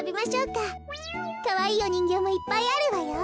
かわいいおにんぎょうもいっぱいあるわよ。